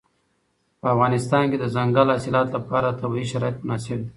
په افغانستان کې د دځنګل حاصلات لپاره طبیعي شرایط مناسب دي.